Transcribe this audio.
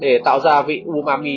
để tạo ra vị umami